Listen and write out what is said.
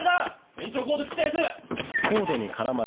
延長コード切ったヤツ！